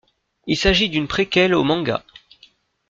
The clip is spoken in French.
Il s'agit d'une préquelle au manga.